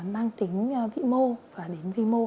mang tính vị mô và đến vị mô